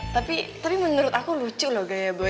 tapi menurut aku lucu loh gaya gue